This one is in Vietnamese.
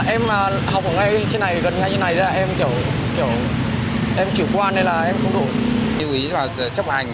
em học ở gần ngay như thế này em chủ quan là em không đủ